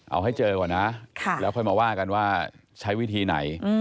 เอาให้เจอก่อนนะแล้วค่อยมาว่ากันว่าใช้วิธีไหน